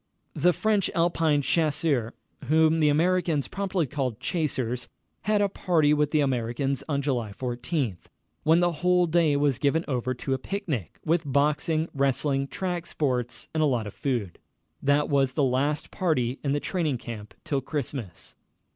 The French Alpine Chasseurs whom the Americans promptly called "chasers" had a party with the Americans on July 14, when the whole day was given over to a picnic, with boxing, wrestling, track sports, and a lot of food. That was the last party in the training camp till Christmas.